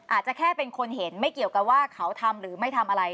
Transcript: อาจจะแค่เป็นคนเห็นไม่เกี่ยวกับว่าเขาทำหรือไม่ทำอะไร